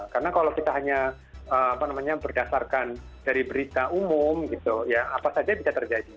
karena kalau kita hanya berdasarkan dari berita umum apa saja bisa terjadi